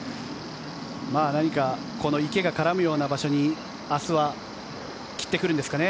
何か池が絡むような場所に明日は切ってくるんですかね。